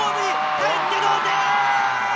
入って、同点。